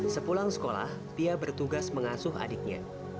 sepulang sekolah dia bertugas mengasuh adiknya